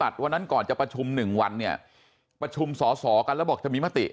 เพราะฉะนั้นก่อนจะประชุม๑วันประชุมส่อกันแล้วบอกจะมีไม้ติ